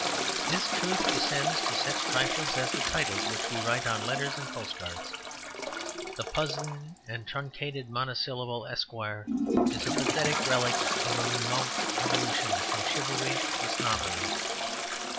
This truth descends to such trifles as the titles which we write on letters and postcards. The puzzling and truncated monosyllable "Esq." is a pathetic relic of a remote evolution from chivalry to snobbery.